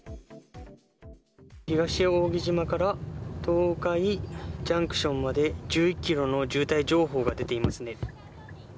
東扇島から東海ジャンクションまで１１キロの渋滞情報が出ていますね。